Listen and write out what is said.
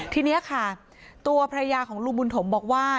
ทีนี้ค่ะตัวภรรยาของลุงบุญถมบอกว่า